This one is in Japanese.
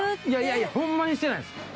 いやいやいやほんまにしてないです。